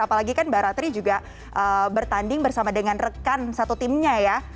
apalagi kan mbak ratri juga bertanding bersama dengan rekan satu timnya ya